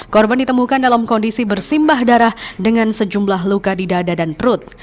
korban ditemukan dalam kondisi bersimbah darah dengan sejumlah luka di dada dan perut